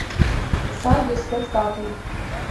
Salle de spectacle.